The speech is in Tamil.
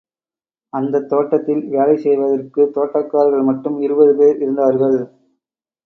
அந்தத் தோட்டத்தில் வேலைசெய்வதற்குத் தோட்டக்காரர்கள் மட்டும் இருபதுபேர் இருந்தார்கள்!